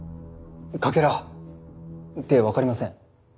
かけら。ってわかりません。